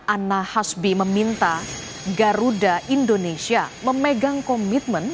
ana hasbi meminta garuda indonesia memegang komitmen